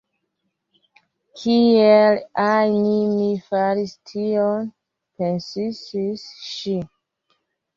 “Kiel ajn mi faris tion?” pensis ŝi.